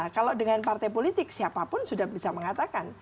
kalau dengan partai politik siapapun sudah bisa mengatakan